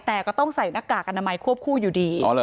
แต่ก็ต้องใส่หน้ากากอนามัยควบคู่อยู่ดี